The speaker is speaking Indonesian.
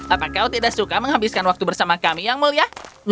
apa kau tidak suka menghabiskan waktu bersama kami yang mulia